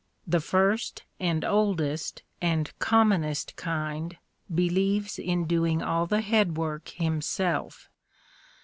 The first, and oldest, and commonest kind believes in doing all the head work himself.